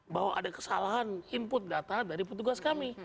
bahwa ada kesalahan input data dari petugas kami